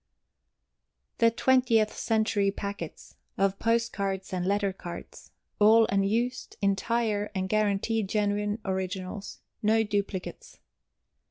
THE 20th CENTURY PACKETS Of Post Cards and Letter Cards. ALL UNUSED, ENTIRE, AND GUARANTEED GENUINE ORIGINALS. NO DUPLICATES.